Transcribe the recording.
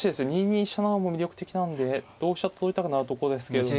２二飛車成も魅力的なんで同飛車と取りたくなるとこですけども。